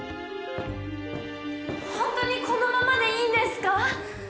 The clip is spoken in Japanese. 本当にこのままでいいんですか？